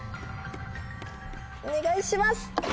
お願いします！